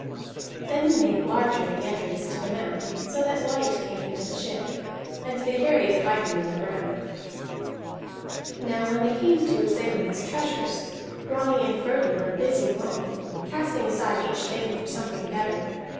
Then they made larger the entrance to the mound so that light came into the ship; and they buried the viking in the ground. Now when they came to examine his treasures, Grani and Frodi were busy long, casting aside each thing for something better.